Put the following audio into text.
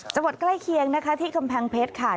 จังหวัดใกล้เคียงที่กำแพงเพชรค่ะ